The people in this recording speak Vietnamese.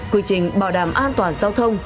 quy trình bảo đảm an toàn giao thông